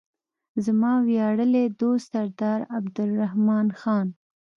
زما ویاړلی دوست سردار عبدالرحمن خان.